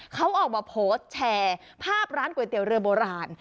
เขาออกมาโพสต์แชร์ภาพร้านก๋วยเตี๋ยเรือโบราณ